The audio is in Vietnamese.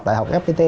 đại học fpt